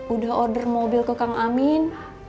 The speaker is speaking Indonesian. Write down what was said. udah order mobil ke kang amin